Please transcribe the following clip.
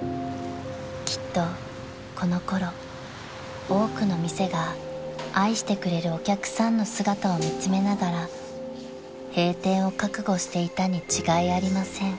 ［きっとこのころ多くの店が愛してくれるお客さんの姿を見つめながら閉店を覚悟していたに違いありません］